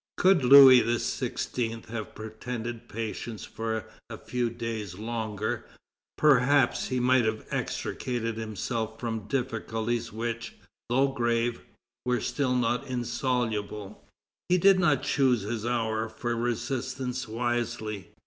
Could Louis XVI. have pretended patience for a few days longer, perhaps he might have extricated himself from difficulties which, though grave, were still not insoluble. He did not choose his hour for resistance wisely.